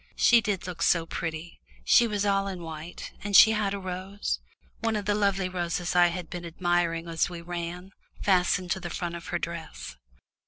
She did look so pretty; she was all in white, and she had a rose one of the lovely roses I had been admiring as we ran fastened to the front of her dress.